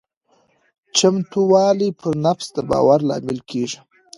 چمتووالی پر نفس د باور لامل کېږي.